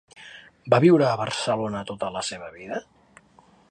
Va viure a Barcelona tota la seva vida?